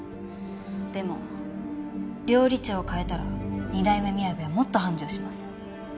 でも料理長を変えたら二代目みやべはもっと繁盛します。